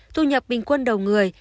thu nhập bình quân đầu người